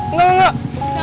enggak enggak enggak